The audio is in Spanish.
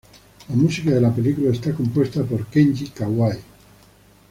La música de la película está compuesta por Kenji Kawai.